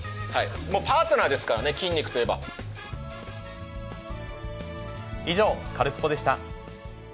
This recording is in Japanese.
もうパートナーですからね、以上、カルスポっ！でした。